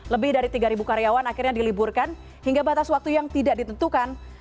lebih dari tiga karyawan akhirnya diliburkan hingga batas waktu yang tidak ditentukan